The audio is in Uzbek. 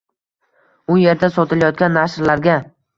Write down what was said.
u yerda sotilayotgan nashrlarga